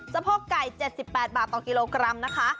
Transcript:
โพกไก่๗๘บาทต่อกิโลกรัมนะคะ